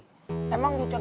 duitnya seratus lo kemanain